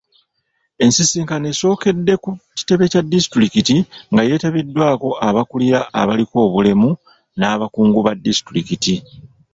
Ensisinkano esookedde ku kitebe kya Disitulikiti nga yeetabiddwako abakulira abaliko obulemu n'abakungu ba Disitulikiti.